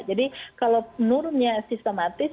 jadi kalau nurunnya sistematis